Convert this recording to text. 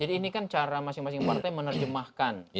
jadi ini kan cara masing masing partai menerjemahkan